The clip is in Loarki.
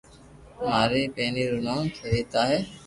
ماري پتني روو نوم سويتا ھي